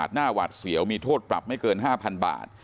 หน้าหวาดเสียวมีโทษปรับไม่เกิน๕๐๐๐บาท